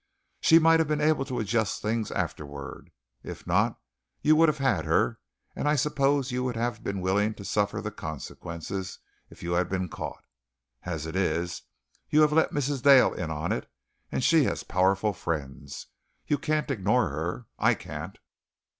She might have been able to adjust things afterward. If not, you would have had her, and I suppose you would have been willing to suffer the consequences, if you had been caught. As it is, you have let Mrs. Dale in on it, and she has powerful friends. You can't ignore her. I can't.